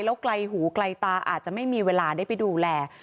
แล้วไกลหูไกลตาอาจจะไม่มีเวลาได้ไปดูแล